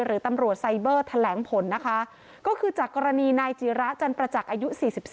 หรือตำรวจไซเบอร์แถลงผลนะคะก็คือจากกรณีนายจีระจันประจักษ์อายุ๔๔